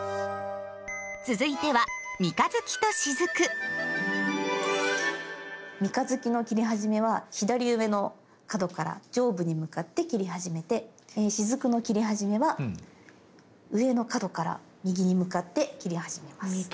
続いては三日月の切り始めは左上の角から上部に向かって切り始めてしずくの切り始めは上の角から右に向かって切り始めます。